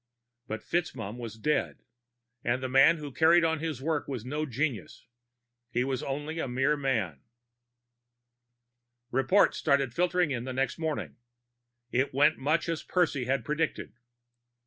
But FitzMaugham was dead, and the man who carried on his work was no genius. He was only a mere man. The reports started filtering in the next morning. It went much as Percy had predicted.